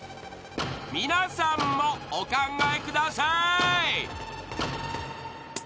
［皆さんもお考えください］